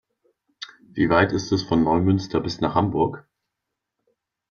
Wie weit ist es von Neumünster bis nach Hamburg?